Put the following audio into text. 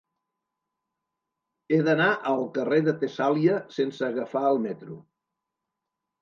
He d'anar al carrer de Tessàlia sense agafar el metro.